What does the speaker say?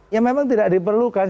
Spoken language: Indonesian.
ya memang tidak diperlukan